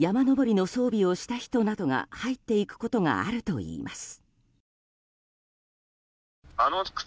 地元の人によりますと、時々山登りの装備をした人などが入っていくことがあるといいます。